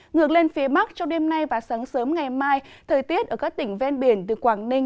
ngược lên phía bắc trong đêm nay và sáng sớm ngày mai thời tiết ở các tỉnh ven biển từ quảng ninh